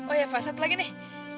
oh ya fah satu lagi nih